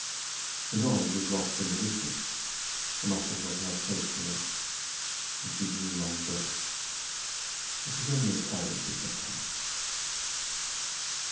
The noise was lost in the distance, the muscles of her face relaxed, and she drew long breaths. It was only a carriage which had passed.